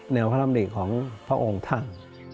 พระรำริของพระองค์ท่าน